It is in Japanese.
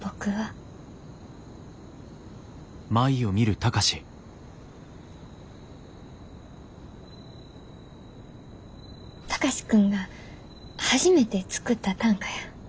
貴司君が初めて作った短歌や。